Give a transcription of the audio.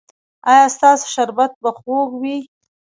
ایا ستاسو شربت به خوږ وي؟